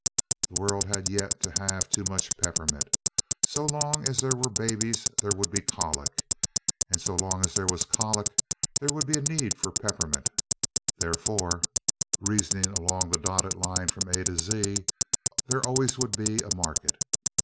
The world had yet to have too much peppermint. So long as there were babies there would be colic, and so long as there was colic there would be a need for peppermint; therefore, reasoning along the dotted line from A to Z, there always would be a market.